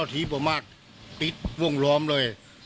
ติดวงล้อมเลย